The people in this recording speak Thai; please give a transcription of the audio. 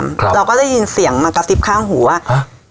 ครับเราก็ได้ยินเสียงมากระซิบข้างหูว่าฮะ